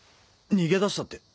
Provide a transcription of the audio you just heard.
逃げ出したって。